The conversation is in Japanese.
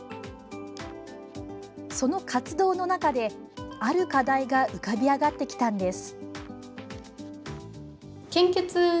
その活動の中で、ある課題が浮かび上がってきたんです。